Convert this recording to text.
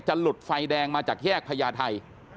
หลุดไฟแดงมาจากแยกพญาไทย